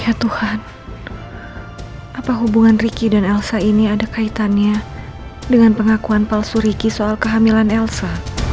apa hubungan ricky dan elsa ini ada kaitannya dengan pengakuan palsu riki soal kehamilan elsa